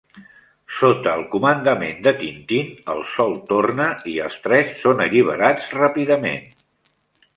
Sota el comandament de Tintin, el Sol torna i els tres són alliberats ràpidament.